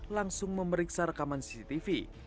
langsung memeriksa rekaman cctv